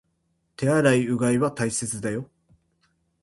手洗い、うがいは大切だよ